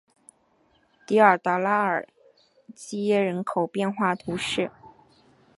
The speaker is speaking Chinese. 迪尔达拉尔基耶人口变化图示